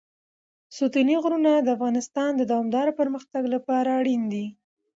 ستوني غرونه د افغانستان د دوامداره پرمختګ لپاره اړین دي.